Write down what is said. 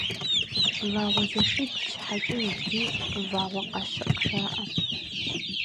Вагъуэзэшибл щхьэкӀэ иджыри Вагъуэкъащыкъ жаӀэ.